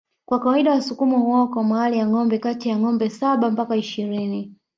Kwa kawaida wasukuma huoa kwa mahali ya ngombe kati ya ngombe saba mpaka ishirini